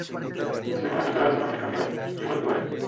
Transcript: En su segunda temporada, su nombre cambió a "Llegó tu hora".